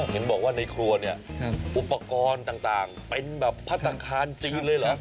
เห็นบอกว่าในครัวเนี่ยอุปกรณ์ต่างเป็นแบบพัฒนาคารจีนเลยเหรอ